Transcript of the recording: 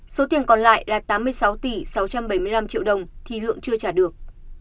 số tiền còn lại là tám mươi sáu tỷ sáu trăm bảy mươi năm triệu đồng thì lượng chưa trả được